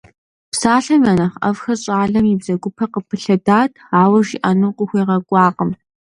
Псалъэм я нэхъ ӀэфӀхэр щӀалэм и бзэгупэ къыпылъэдат, ауэ жиӀэну къыхуегъэкӀуакъым.